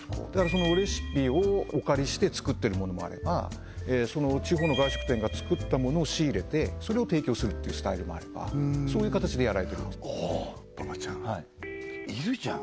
そのレシピをお借りして作ってるものもあればその地方の外食店が作ったものを仕入れてそれを提供するっていうスタイルもあればそういう形でやられてる馬場ちゃんいるじゃん